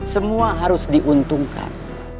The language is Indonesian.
semua harus diuntungkan